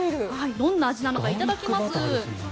どんな味なのかいただきます。